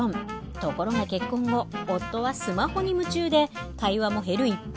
ところが結婚後夫はスマホに夢中で会話も減る一方。